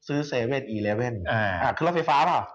อ่าเครื่องไฟฟ้าป่าว